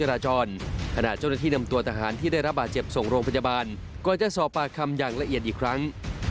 รถบัตรเจ็บทรงโรงพยาบาลก็จะสอบปากคำอย่างละเอียดอีกครั้ง